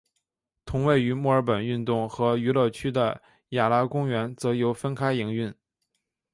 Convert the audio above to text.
同位于墨尔本运动和娱乐区的雅拉公园则由分开营运。